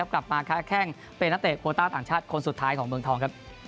กลับมาค้าแข้งเป็นนักเตะโคต้าต่างชาติคนสุดท้ายของเมืองทองครับ